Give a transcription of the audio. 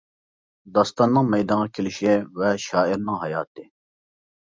داستاننىڭ مەيدانغا كېلىشى ۋە شائىرنىڭ ھاياتى.